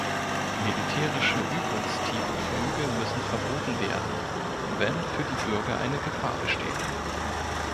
Militärische Übungstiefflüge müssen verboten werden, wenn für die Bürger eine Gefahr besteht.